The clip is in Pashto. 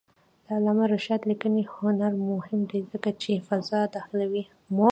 د علامه رشاد لیکنی هنر مهم دی ځکه چې فضا داخلوي.